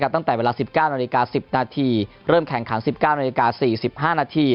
ตั้งแต่เวลา๑๙น๑๐นเริ่มแข่งขัน๑๙น๔๐๑๕น